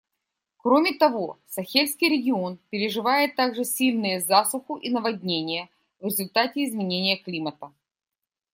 Кроме того, Сахельский регион переживает также сильные засуху и наводнения в результате изменения климата.